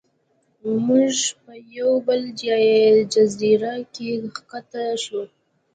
موږ په یوه بله جزیره کې ښکته شو.